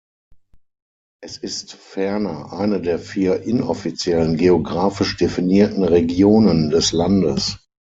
Es ist ferner eine der vier inoffiziellen, geografisch definierten Regionen des Landes.